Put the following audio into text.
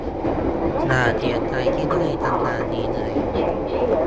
อย่าเสียใจที่ได้ทำงานนี้เลย